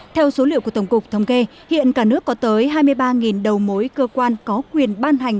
theo số liệu của tổng cục thống kê hiện cả nước có tới hai mươi ba đầu mối cơ quan có quyền ban hành